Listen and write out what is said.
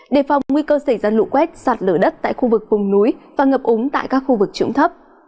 đề phòng nguy cơ xảy ra lụ quét sạt lở đất tại khu vực vùng núi và ngập úng tại các khu vực trụng thấp